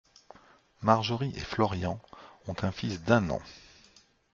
Marjorie et Florian ont un fils d’un an.